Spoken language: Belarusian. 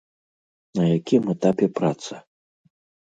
На якім этапе праца?